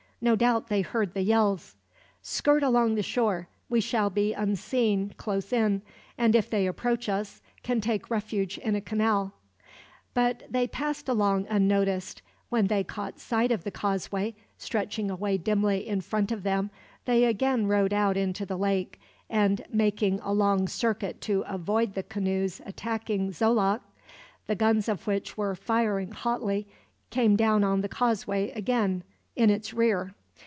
No doubt they heard the yells. "Skirt along the shore. We shall be unseen, close in; and if they approach us, can take refuge in a canal." But they passed along unnoticed. When they caught sight of the causeway, stretching away dimly in front of them, they again rowed out into the lake and, making a long circuit to avoid the canoes attacking Xoloc, the guns of which were firing hotly, came down on the causeway again in its rear.